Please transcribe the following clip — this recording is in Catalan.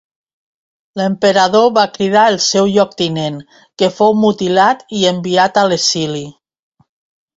L'emperador va cridar el seu lloctinent, que fou mutilat i enviat a l'exili.